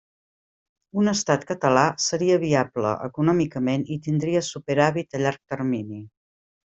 Un estat català seria viable econòmicament i tindria superàvit a llarg termini.